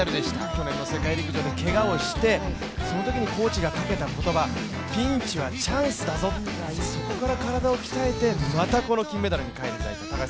去年の世界陸上でけがをしてそのときにコーチがかけた言葉、ピンチはチャンスだぞ、そこから体を鍛えてまたこの金メダルに返り咲いた。